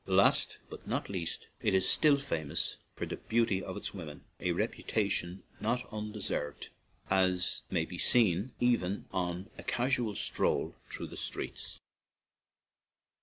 Last, but not least, it is still famous for the beauty of its women — a reputation not unde served, as may be seen even on a casual stroll through the streets.